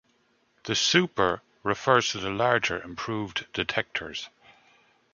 The "super" refers to the larger, improved detectors.